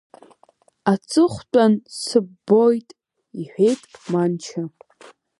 Аҵыхәтәан сыббоит, — иҳәеит Манча.